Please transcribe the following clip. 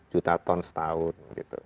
juta ton setahun